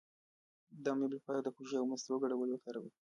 د امیب لپاره د هوږې او مستو ګډول وکاروئ